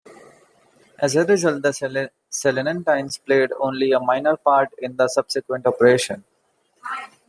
As a result, the Selinuntines played only a minor part in the subsequent operations.